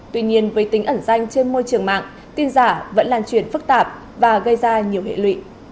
tuy nhiên với tính ẩn danh trên môi trường mạng tin giả vẫn lan truyền phức tạp và gây ra nhiều hệ lụy